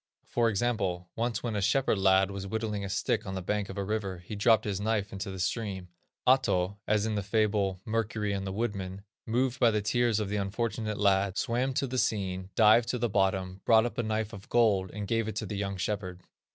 For example, once when a shepherd lad was whittling a stick on the bank of a river, he dropped his knife into the stream. Ahto, as in the fable, "Mercury and the Woodman," moved by the tears of the unfortunate lad, swam to the scene, dived to the bottom, brought up a knife of gold, and gave it to the young shepherd.